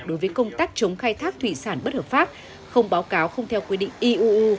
đối với công tác chống khai thác thủy sản bất hợp pháp không báo cáo không theo quy định iuu